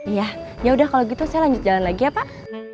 iya yaudah kalau gitu saya lanjut jalan lagi ya pak